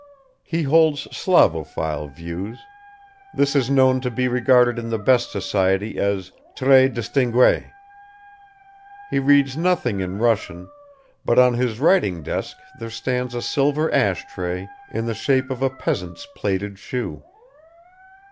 He holds Slavophil views; this is known to be regarded in the best society as très distingué. He reads nothing in Russian, but on his writing desk there stands a silver ash tray in the shape of a peasant's plaited shoe.